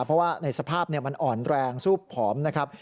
เพราะว่าในสภาพมันอ่อนแรงสู้ผอมนะครับ